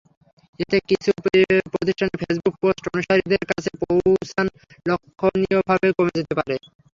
এতে কিছু প্রতিষ্ঠানের ফেসবুক পোস্ট অনুসারীদের কাছে পৌঁছান লক্ষণীয়ভাবে কমে যেতে পারে।